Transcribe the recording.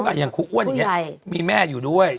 อย่างครูอ้วนอย่างนี้มีแม่อยู่ด้วย